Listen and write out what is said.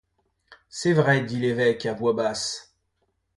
C’est vrai, dit l’évêque à voix basse.